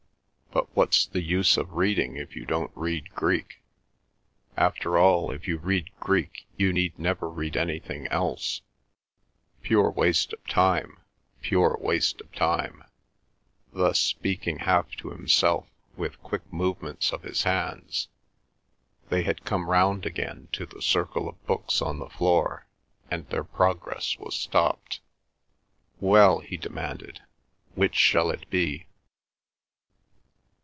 But what's the use of reading if you don't read Greek? After all, if you read Greek, you need never read anything else, pure waste of time—pure waste of time," thus speaking half to himself, with quick movements of his hands; they had come round again to the circle of books on the floor, and their progress was stopped. "Well," he demanded, "which shall it be?"